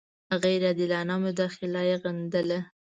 غیر عادلانه مداخله یې غندله.